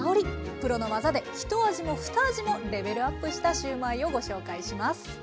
プロの技でひと味もふた味もレベルアップしたシューマイをご紹介します。